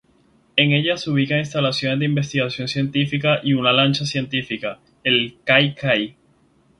En ella se ubican instalaciones de investigación científica y una lancha científica, el "Kay-Kay".